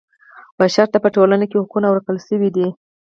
بشر ته په ټولنه کې حقونه ورکړل شوي دي.